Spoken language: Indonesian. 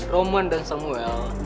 roman dan samuel